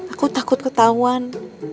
aku takut ketauan